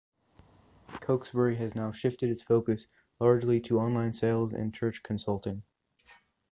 Cokesbury has now shifted its focus largely to online sales and church consulting.